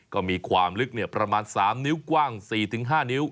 ก็มีความลึกประมาณ๓นิ้วกว้าง๔๕นิ้ว